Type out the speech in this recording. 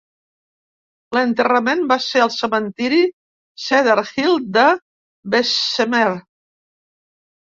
L'enterrament va ser al cementiri Cedar Hill de Bessemer.